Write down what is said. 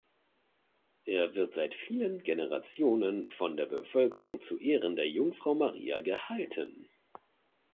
Er wird seit vielen Generationen von der Bevölkerung zu Ehren der "Jungfrau Maria" gehalten.